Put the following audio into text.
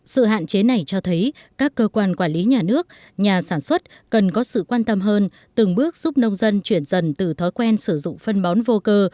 sự hạn chế này cho thấy các cơ quan quản lý nhà nước nhà sản xuất cần có sự quan tâm hơn từng bước giúp nông dân chuyển dần từ thói quen sử dụng phân bón vô cơ